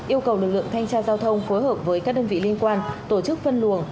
yêu cầu lực lượng thanh tra giao thông phối hợp với các đơn vị liên quan tổ chức phân luồng